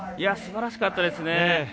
すばらしかったですね。